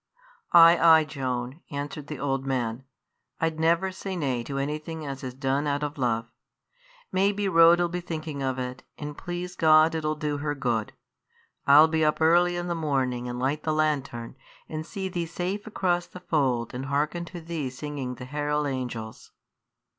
"Ay, ay, Joan," answered the old man; "I'd never say nay to anything as is done out o' love. Maybe Rhoda 'ill be thinking of it, and please God it 'ill do her good. I'll be up early i' th' morning and light the lantern, and see thee safe across the fold and hearken to thee singing the 'Heral' angels.'"